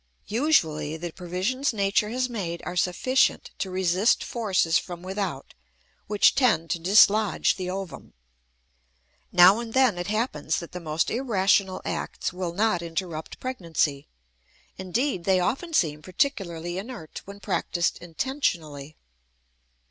Usually, the provisions nature has made are sufficient to resist forces from without which tend to dislodge the ovum. Now and then it happens that the most irrational acts will not interrupt pregnancy; indeed, they often seem particularly inert when practised intentionally.